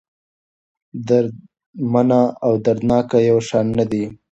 دردمنه او دردناکه يو شان نه دي.